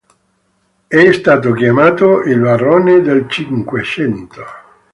È stato chiamato il "Varrone del Cinquecento".